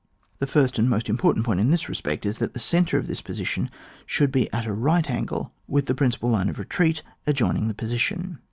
The first and most important point in this respect is that the centre of the position should be at a right angle with the principal line of retreat adjoining the position.